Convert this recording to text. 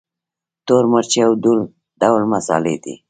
تور مرچ یو ډول مسالې دي